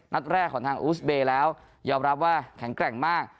นัดแรกของทางอูสเบย์แล้วยอมรับว่าแข็งแกร่งมาก